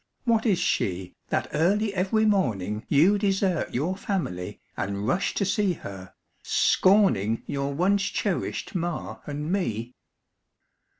What is she That early every morning You desert your family And rush to see her, scorning Your once cherished ma and me?